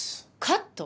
カット？